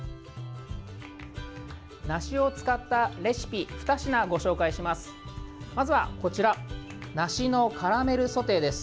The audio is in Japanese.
梨を使ったレシピ２品ご紹介します。